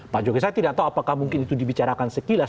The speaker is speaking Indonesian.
pak jokowi saya tidak tahu apakah mungkin itu dibicarakan sekilas